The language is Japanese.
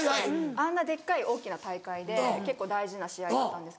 あんなデッカい大きな大会で結構大事な試合だったんですけど。